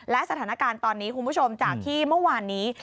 และสถานการณ์ตอนนี้คุณผู้ชมจากที่เมื่อวานนี้